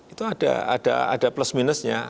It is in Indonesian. itu ada plus minusnya